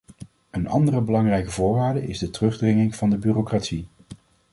Een andere belangrijke voorwaarde is de terugdringing van de bureaucratie.